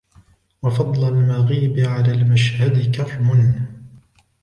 وَفَضْلَ الْمَغِيبِ عَلَى الْمَشْهَدِ كَرْمٌ